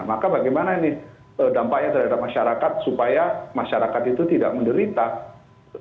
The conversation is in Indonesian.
maka bagaimana ini dampaknya terhadap masyarakat supaya masyarakat itu tidak menderita